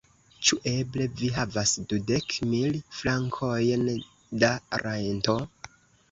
Ĉu eble vi havas dudek mil frankojn da rento?